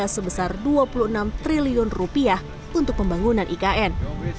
sebesar dua puluh enam triliun rupiah untuk pembangunan ikn